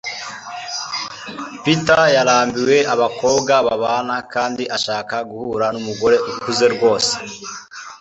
Peter yarambiwe abakobwa babana kandi ashaka guhura numugore ukuze rwose